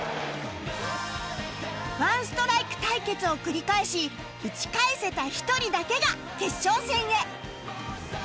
１ストライク対決を繰り返し打ち返せた１人だけが決勝戦へ